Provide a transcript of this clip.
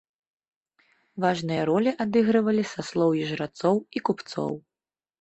Важныя ролі адыгрывалі саслоўі жрацоў і купцоў.